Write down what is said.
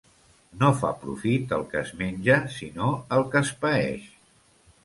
No fa profit el que es menja, sinó el que es paeix.